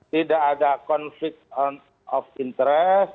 tidak ada konflik of interest